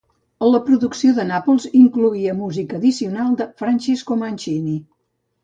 La producció de Nàpols incloïa música addicional de Francesco Mancini.